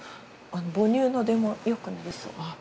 母乳の出も良くなりそう。